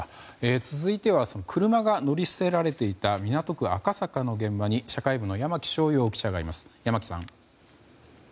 続いては車が乗り捨てられていた港区赤坂の現場に社会部の山木翔遥記者がいます。